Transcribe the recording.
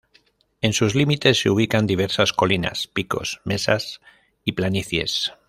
En sus límites se ubican diversas colinas, picos, mesas y planicies.